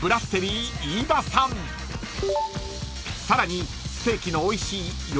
［さらにステーキのおいしい